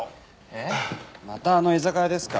えっまたあの居酒屋ですか？